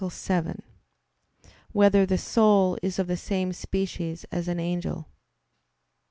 7] Whether the Soul Is of the Same Species As an Angel?